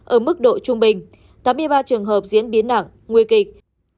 ở mức độ trung bình tám mươi ba trường hợp diễn biến nặng nguy kịch